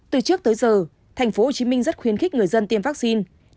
từ trước tới giờ tp hcm rất khuyến khích người dân tiêm vaccine